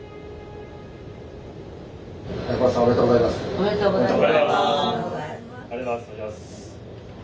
ありがとうございます。